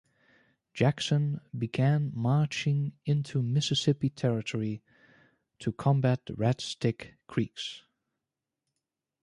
Jackson began marching into Mississippi Territory to combat the Red Stick Creeks.